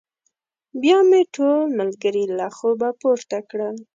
بيا مې ټول ملګري له خوبه پورته کړل.